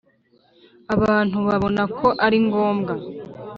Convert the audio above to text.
abantu babona ko ari ngombwa